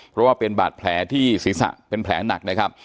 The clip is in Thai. เพราะว่าเป็นบาดแผลที่ศีรษะเป็นแผลหนักนะครับ